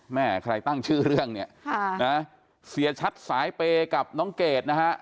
แม่ใครตั้งชื่อเรื่องเนี่ยเสียชัดสายเปย์กับน้องเกดนะฮะ